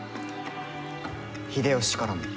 秀吉からも。